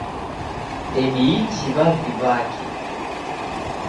Ndediichi w'avi w'ake